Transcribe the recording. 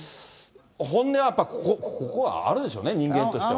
本音はやっぱ、ここはあるんでしょうね、人間としては。